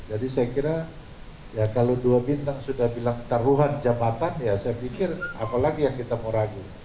jadi saya kira ya kalau dua bintang sudah bilang taruhan jabatan ya saya pikir apa lagi yang kita mau ragu